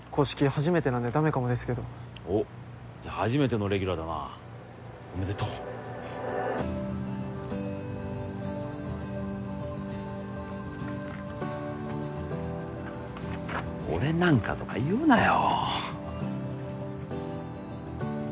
初めてなんでダメかもですけどおっじゃあ初めてのレギュラーだなおめでとう俺なんかとか言うなよ